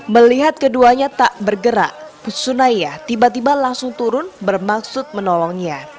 melihat keduanya tak bergerak sunayah tiba tiba langsung turun bermaksud menolongnya